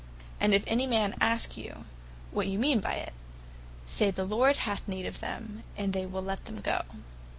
And if any man ask you, what you mean by it, Say the Lord hath need of them: And they will let them go."